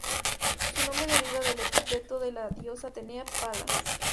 Su nombre deriva del epíteto de la diosa Atenea, "Palas".